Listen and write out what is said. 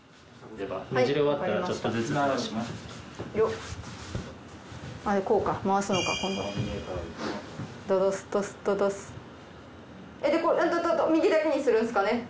でこれ右だけにするんすかね？